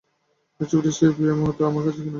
এই ছবিটির চেয়ে প্রিয় কিছু এই মুহূর্তে আমার কাছে নেই।